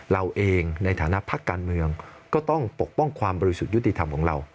เราเองในฐานะพักการเมืองก็ต้องปกป้องความบริสุทธิ์ยุติธรรมของเรา